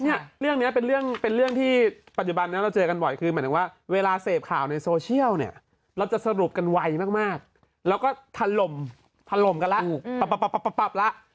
เนี่ยเรื่องนี้เป็นเรื่องที่ปัจจุบันนี้เราเจอกันบ่อยคือหมายถึงว่าเวลาเสพข่าวในโซเชียลเนี่ยเราจะสรุปกันไวมากแล้วก็ถล่มถล่มกันแล้ว